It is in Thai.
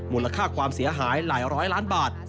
มูลค่าความเสียหายหลายร้อยล้านบาท